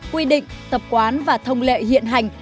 quy định tập quán và thông lệ hiện hành